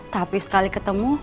tapi sekali ketemu